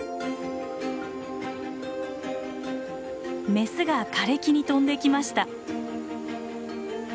メスが枯れ木に飛んできました。